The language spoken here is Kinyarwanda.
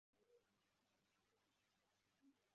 Umubare wa skier utanu ukomoka mubufaransa urimo kurangiza